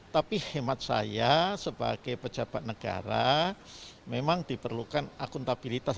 tapi hemat saya sebagai pejabat negara memang diperlukan akuntabilitas